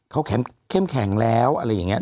เขาเข้มแข็งแล้วอะไรอย่างนี้